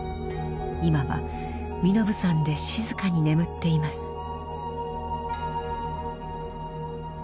今は身延山で静かに眠っています。